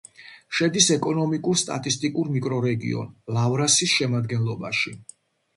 შედის ეკონომიკურ-სტატისტიკურ მიკრორეგიონ ლავრასის შემადგენლობაში.